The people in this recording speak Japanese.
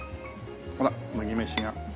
ほら麦飯が。